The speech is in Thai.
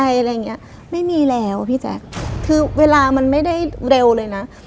อะไรอะไรอย่างเงี้ยไม่มีแล้วพี่แจ๊คคือเวลามันไม่ได้เร็วเลยนะ